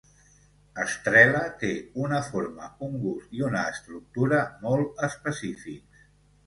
Strela té una forma, un gust i una estructura molt específics.